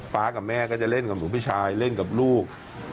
ฟ้ากับแม่ก็จะเล่นกับผู้ชายเล่นกับลูก